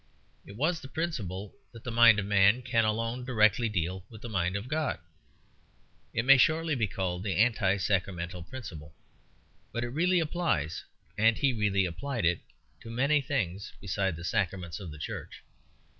It was the principle that the mind of man can alone directly deal with the mind of God. It may shortly be called the anti sacramental principle; but it really applies, and he really applied it, to many things besides the sacraments of the Church.